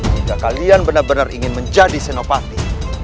hingga kalian benar benar ingin menjadi senopati